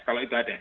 kalau itu ada